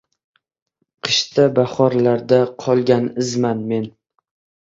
Qishda bahorlarda qolgan izman men